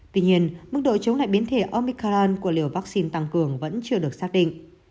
tuy nhiên mức độ chống lại biến thể omicall của liều vaccine tăng cường vẫn chưa được xác định